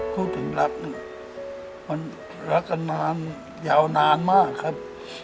พูดถึงรักรักกันนานยาวนานมากครับ